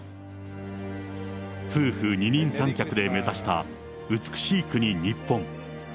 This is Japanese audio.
夫婦二人三脚で目指した美しい国・日本。